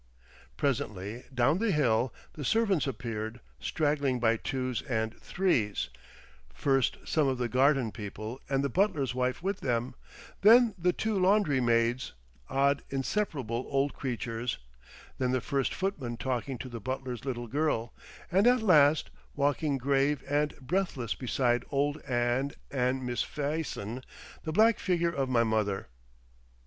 Presently, down the hill, the servants appeared, straggling by twos and threes, first some of the garden people and the butler's wife with them, then the two laundry maids, odd inseparable old creatures, then the first footman talking to the butler's little girl, and at last, walking grave and breathless beside old Ann and Miss Fison, the black figure of my mother.